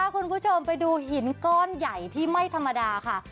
คุณผู้ชมไปดูหินก้อนใหญ่ที่ไม่ธรรมดาค่ะ